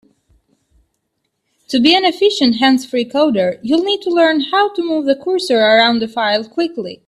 To be an efficient hands-free coder, you'll need to learn how to move the cursor around a file quickly.